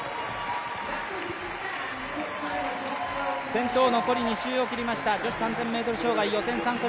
先頭残り２周を切りました女子３０００ｍ障害。